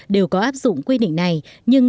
đều có áp dụng quy định này nhưng